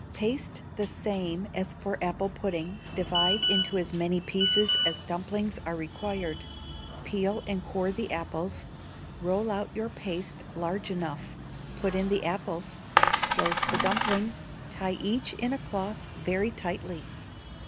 Paste the same as for apple pudding, divide into as many pieces as dumplings are required; peel and core the apples; roll out your paste large enough; put in the apples; close the dumplings, tie each in a cloth very tightly.